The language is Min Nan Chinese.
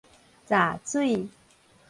閘水